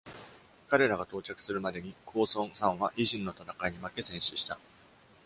彼らが到着するまでに、公孫サンはイジンの戦いに負け戦死した。